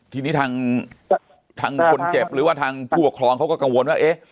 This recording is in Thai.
ทีนี้ทางคนเจ็บหรือว่าทางผู้ปกครองเขาก็กังวลว่าเอ๊ะ